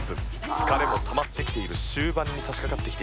疲れもたまってきている終盤に差し掛かってきています。